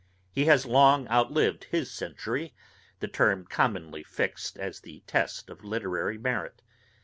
He has long outlived his century, the term commonly fixed as the test of literary merit.